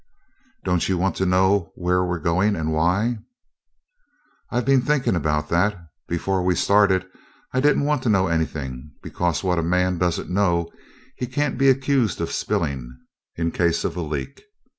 "Don't you want to know where we're going, and why?" "I've been thinking about that. Before we started I didn't want to know anything, because what a man doesn't know he can't be accused of spilling in case of a leak.